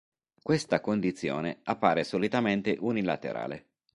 Questa condizione appare solitamente unilaterale.